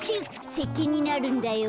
せっけんになるんだよ。